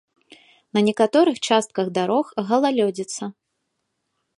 Не некаторых частках дарог галалёдзіца.